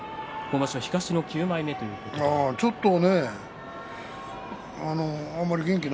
東の９枚目ということですが。